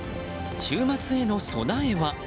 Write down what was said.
週末への備えは？